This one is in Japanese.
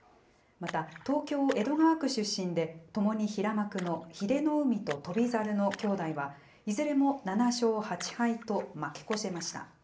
また、東京・江戸川区出身で、ともに平幕の英乃海と翔猿の兄弟は、いずれも７勝８敗と負け越しました。